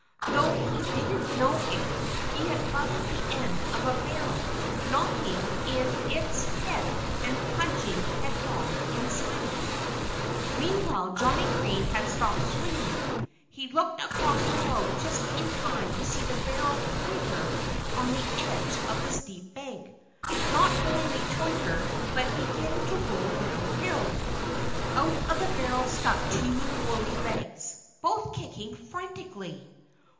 Though he didn't know it, he had butted the end of a barrel, knocking in its head and plunging headlong inside it. Meanwhile Johnnie Green had stopped swinging. He looked across the road just in time to see the barrel totter on the edge of the steep bank. Not only totter; but begin to roll down hill! Out of the barrel stuck two woolly legs, both kicking frantically.